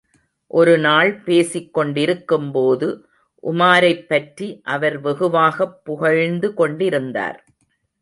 ஒருநாள் பேசிக் கொண்டிருக்கும் போது உமாரைப்பற்றி அவர் வெகுவாகப் புகழ்ந்து கொண்டிருந்தார்.